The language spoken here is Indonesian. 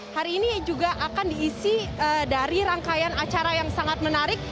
hari ini juga akan diisi dari rangkaian acara yang sangat menarik